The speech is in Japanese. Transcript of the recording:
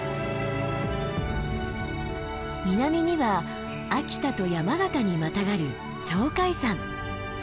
南には秋田と山形にまたがる鳥海山。